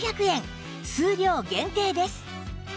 数量限定です